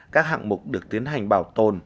các hạng mục được tiến hành bảo tồn